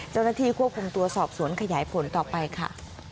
เจ้าหน้าที่ควบคุมตัวสอบสวนขยายผลต่อไปค่ะ